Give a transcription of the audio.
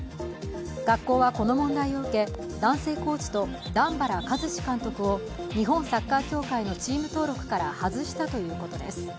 学校はこの問題を受け、男性コーチと段原一詞監督を日本サッカー協会のチーム登録から外したということです。